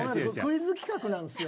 クイズ企画なんですよ。